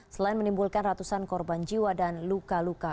selain menimbulkan ratusan korban jiwa dan luka luka